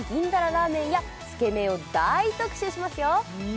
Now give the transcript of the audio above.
ラーメンやつけ麺を大特集しますよ